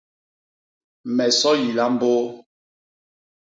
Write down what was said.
Me so yila mbôô.